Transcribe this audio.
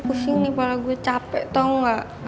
pusing nih kalo gue capek tau ga